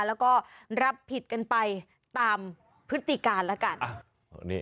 แล้วก็รับผิดกันไปตามพฤติการแล้วกัน